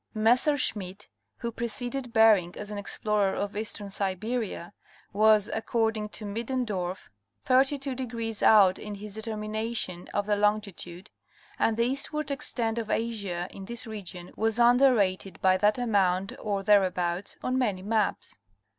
Messerschmidt, who preceded Bering as an explorer of Hastern Siberia, was according to Middendorf (Sib. Reise, iv. 1, p. 56) thirty two degress out in his determination of the longitude, and the eastward extent of Asia in this region was underrated by that amount or thereabouts, on many maps.